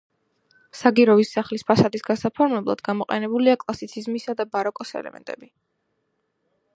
საგიროვის სახლის ფასადის გასაფორმებლად გამოყენებულია კლასიციზმისა და ბაროკოს ელემენტები.